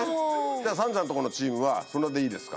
さんちゃんとこのチームはそれでいいですか？